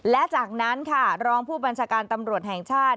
และจากนั้นค่ะรองผู้บัญชาการตำรวจแห่งชาติ